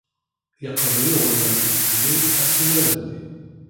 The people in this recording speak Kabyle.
Yeqbel uɣella n tgezmi assumer-nni.